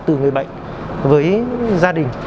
từ người bệnh với gia đình